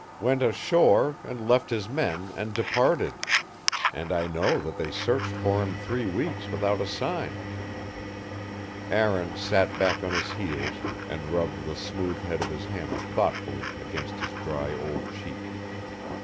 "Went ashore, and left his men, and departed; and I know that they searched for him three weeks without a sign." Aaron sat back on his heels, and rubbed the smooth head of his hammer thoughtfully against his dry old cheek.